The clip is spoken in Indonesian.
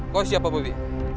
koos ya pak bobi